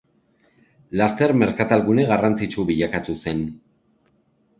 Laster merkatalgune garrantzitsu bilakatu zen.